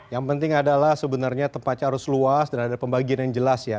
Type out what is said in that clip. yang penting adalah sebenarnya tempatnya harus luas dan ada pembagian yang jelas ya